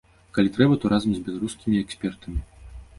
Калі трэба, то разам з беларускімі экспертамі.